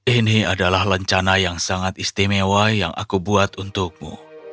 ini adalah lencana yang sangat istimewa yang aku buat untukmu